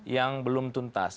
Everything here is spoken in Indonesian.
yang belum tuntas